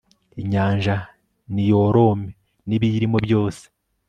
inyanja niyorome, n'ibiyirimo byose